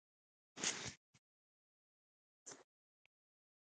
د مدرسې په انګړ کښې څو کسه طلبا تر مولوي صاحب راچاپېر وو.